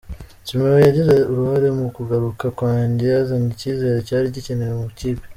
Simeone yagize uruhare mu kugaruka kwanjye, yazanye ikizere cyari gikenewe mu ikipe”.